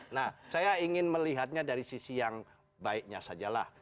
nah saya ingin melihatnya dari sisi yang baiknya sajalah